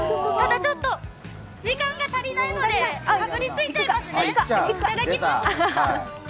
ちょっと時間が足りないのでかぶりついちゃいますね。